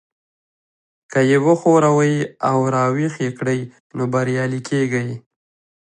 که يې وښوروئ او را ويښ يې کړئ نو بريالي کېږئ.